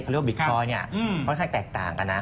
เขาเรียกว่าบิตคอยน์เนี่ยค่อนข้างแตกต่างกันนะ